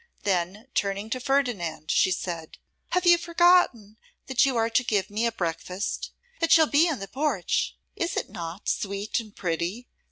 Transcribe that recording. Then, turning to Ferdinand, she said, 'Have you forgotten that you are to give me a breakfast? It shall be in the porch. Is it not sweet and pretty?